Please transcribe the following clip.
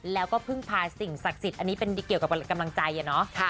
แล้วก็พึ่งพาสิ่งศักดิ์สิทธิ์อันนี้เป็นเกี่ยวกับกำลังใจอะเนาะ